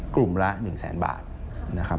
กลุ่มละ๑แสนบาทนะครับ